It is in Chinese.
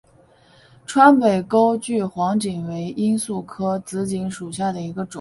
川北钩距黄堇为罂粟科紫堇属下的一个种。